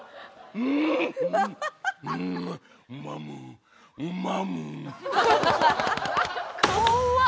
うまむうまむ！